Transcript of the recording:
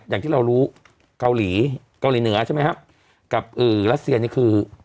อย่างที่เรารู้เกาหลีเกาหลีเหนือใช่ไหมครับกับรัสเซียนี่คือ